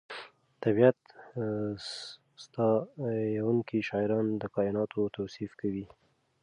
طبیعت ستایونکي شاعران د کائناتو توصیف کوي.